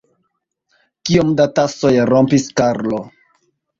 Kiom da tasoj rompis Karlo?